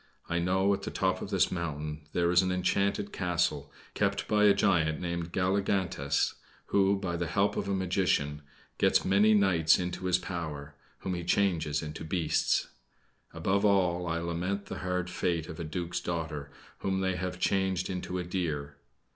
I know, at the top of this mountain there is an enchanted castle, kept by a giant named Galligantes, who, by the help of a magician, gets many knights into his power whom he changes into beasts. Above all, I lament the hard fate of a duke's daughter, whom they have changed into a deer.